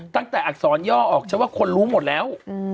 ตั้งแต่อักษรย่อออกฉันว่าคนรู้หมดแล้ว